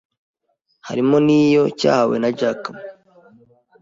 harimo n'iyo cyahawe na Jack Ma,